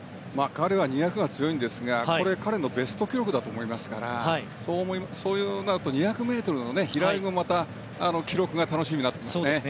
彼は２００が強いんですがこれは彼のベスト記録だと思いますからそうなると、２００ｍの平泳ぎも記録が楽しみになってきますね。